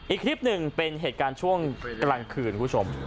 อีกคลิปหนึ่งเป็นเหตุการณ์ช่วงกลางคืนคุณผู้ชม